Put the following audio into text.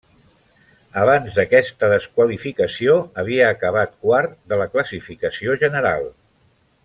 Abans d'aquesta desqualificació havia acabat quart de la classificació general.